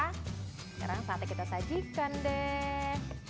sekarang saatnya kita sajikan deh